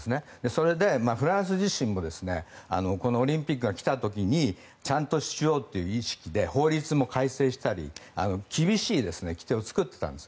それでフランス自身もオリンピックが来た時にちゃんとしようという意識で法律も改正したり厳しい規定を作っていたんです。